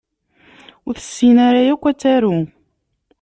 Ur tessin ara yakk ad taru